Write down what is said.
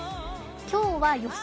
今日は予想